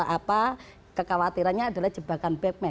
apa kekhawatirannya adalah jebakan babme